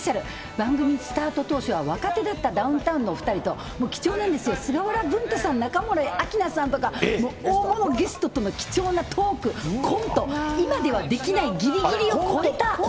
番組スタート当初は若手だったダウンタウンのお２人と、貴重なんですよ、菅原文太さん、中森明菜さんとか、もう大物ゲストとの貴重なトーク、コント、今ではできないぎりぎりを超えた。